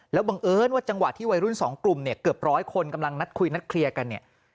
แล้วบังเอิญว่าจังหวะที่วัยรุ่นสองกลุ่มเนี่ยเกือบร้อยคนกำลังนัดคุยนัดเคลียร์กันเนี่ย